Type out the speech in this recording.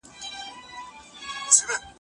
د منظومې د پیل یوه برخه دلته لوستلای شئ